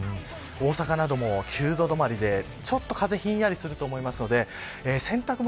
大阪なども９度どまりでちょっと風ひんやりすると思いますので洗濯物